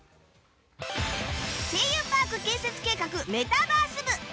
「声優パーク建設計画メタバース部」。